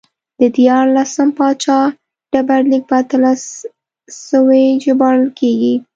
د دیارلسم پاچا ډبرلیک په اتلس سوی ژباړل کېږي